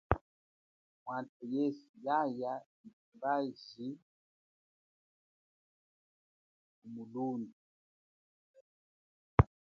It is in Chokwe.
Mwatha yesu yaya kumulundhu nyi tumbaji jenyi.